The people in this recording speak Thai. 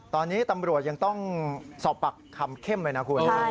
ตอนนี้ตำรวจยังต้องสอบปรักคำเข้มหน่วงนะครับ